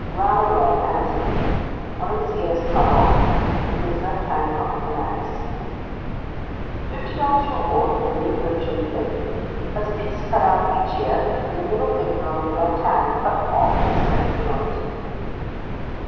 'Ran away, Anthony. One of his ears cut off, and his left hand cut with an axe.' 'Fifty dollars reward for the negro Jim Blake. Has a piece cut out of each ear, and the middle finger of the left hand cut off to the second joint.